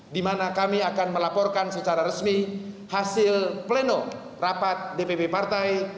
di mana kami akan melaporkan secara resmi hasil pleno rapat dpp partai